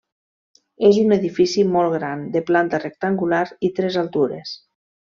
És un edifici molt gran, de planta rectangular i tres altures.